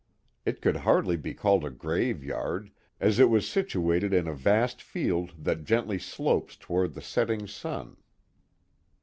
It could hardly be called a graveyard, as it was situated in a vast field that gently slopes towards the setting sun.